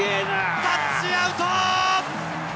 タッチアウト。